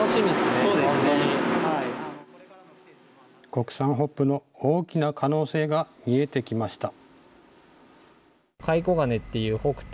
国産ホップの大きな可能性が見えてきました。